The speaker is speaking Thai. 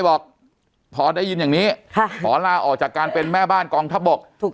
บอกพอได้ยินอย่างนี้หมอลาออกจากการเป็นแม่บ้านกองทัพบก